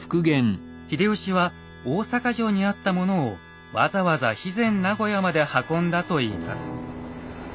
秀吉は大坂城にあったものをわざわざ肥前名護屋まで運んだといいます。